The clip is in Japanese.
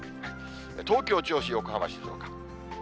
東京、銚子、横浜、静岡。